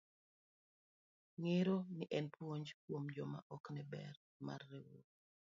Ng'ero ni en puonj kuom joma ok ne ber mar riwruok.